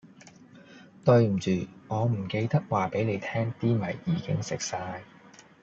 對唔住，我唔記得話俾你聽啲米已經食曬